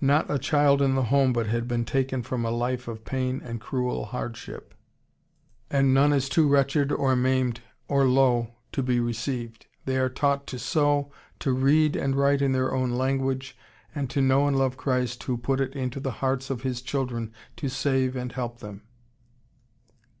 Not a child in the home but had been taken from a life of pain and cruel hardship, and none is too wretched or maimed or low to be received. They are taught to sew, to read and write in their own language, and to know and love Christ who put it into the hearts of His children to save and help them.